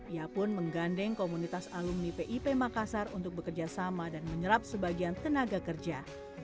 ia pun menggandeng komunitas alumni pip makassar untuk bekerja sama dan menyerap sebagian tenaga kerja